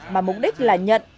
mà mục đích là nhận